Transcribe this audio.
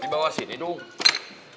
dibawa sini dulu